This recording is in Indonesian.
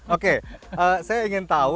oke saya ingin tahu